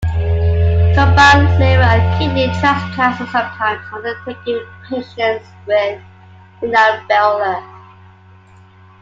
Combined liver and kidney transplants are sometimes undertaken in patients with renal failure.